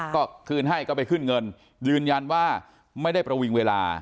ก็คืนให้ก็ไปขึ้นเงินยืนยันว่าไม่ได้ประวิงเวลา